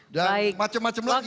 dan macem macem lagi